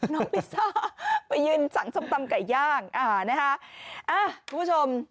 ลิซ่าไปยืนสั่งส้มตำไก่ย่างอ่านะคะอ่ะคุณผู้ชม